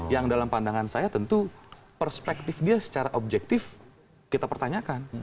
yang dalam pandangan saya tentu perspektif dia secara objektif kita pertanyakan